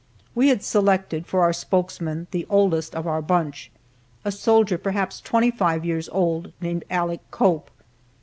We had selected for our spokesman the oldest one of our bunch, a soldier perhaps twenty five years old, named Aleck Cope.